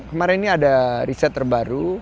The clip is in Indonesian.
kemarin ini ada riset terbaru